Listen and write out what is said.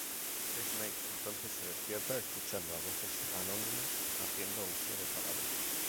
Snake entonces se despierta escuchando a voces anónimas haciendo uso de palabra.